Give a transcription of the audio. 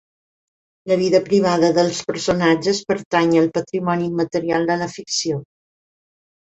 La vida privada dels personatges pertany al patrimoni immaterial de la ficció.